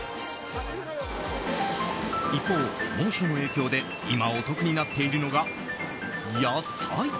一方、猛暑の影響で今お得になっているのが野菜。